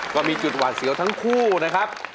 ก็มีจุดหวาดเสียวทั้งคู่นะครับ